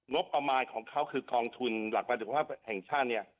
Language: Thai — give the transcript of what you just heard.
งบประมาณของเขาคือกองทุนหลักประสิทธิภาพแห่งชาติเนี่ย